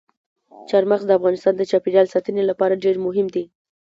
چار مغز د افغانستان د چاپیریال ساتنې لپاره ډېر مهم دي.